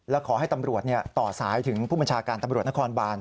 และขอให้ตำรวจต่อสายถึงผู้บัญชาการตำรวจนครบาน